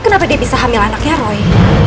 kenapa dia bisa hamil anaknya roy